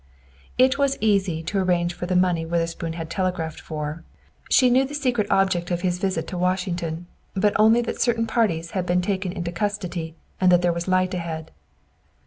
It was easy to arrange for the money Witherspoon had telegraphed for; she knew the secret object of his visit to Washington, but only that certain parties had been taken into custody, and that there was light ahead.